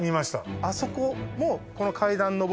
あそこも。